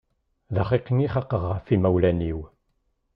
D axiqi i xaqeɣ ɣef yimawlan-iw.